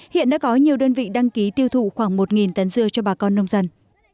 hiện đã có nhiều đơn vị đăng ký tiêu thụ khoảng một tấn dưa cho bà con nông dân